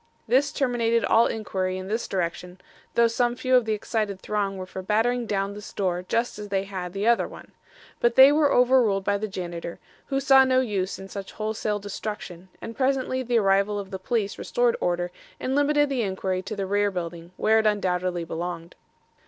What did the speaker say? This terminated all inquiry in this direction, though some few of the excited throng were for battering down this door just as they had the other one. But they were overruled by the janitor, who saw no use in such wholesale destruction, and presently the arrival of the police restored order and limited the inquiry to the rear building, where it undoubtedly belonged.